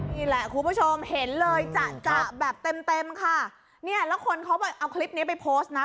นี่แหละคุณผู้ชมเห็นเลยจะจะแบบเต็มเต็มค่ะเนี่ยแล้วคนเขาเอาคลิปนี้ไปโพสต์นะ